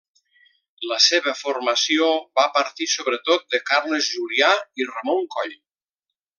La seva formació va partir sobretot de Carles Julià i Ramon Coll.